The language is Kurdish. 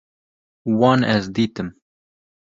Wan ez dîtim